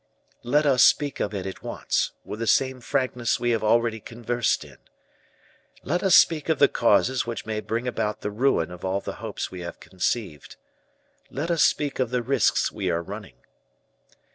"Let us speak of it at once, with the same frankness we have already conversed in. Let us speak of the causes which may bring about the ruin of all the hopes we have conceived. Let us speak of the risks we are running."